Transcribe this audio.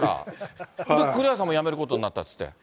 栗橋さんも辞めることになったっていって。